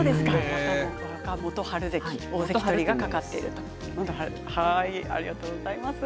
若元春は大関取りが懸かっているということですね。